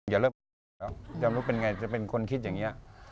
อย่าเลิกไปก่อนแล้วจะรู้เป็นไงจะเป็นคนคิดอย่างนี้